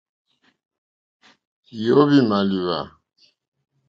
Yǒhwì màlíwá.